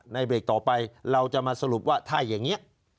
เบรกต่อไปเราจะมาสรุปว่าถ้าอย่างนี้